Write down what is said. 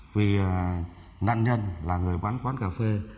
vì nạn nhân là người bán quán cà phê